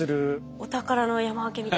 お宝の山分けみたいな感じ。